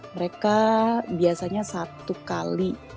mereka biasanya satu kali